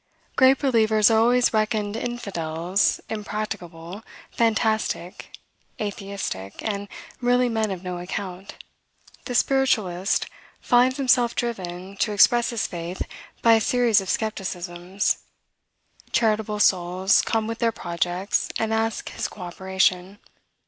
Great believers are always reckoned infidels, impracticable, fantastic, atheistic, and really men of no account. The spiritualist finds himself driven to express his faith by a series of skepticisms. Charitable souls come with their projects, and ask his cooperation.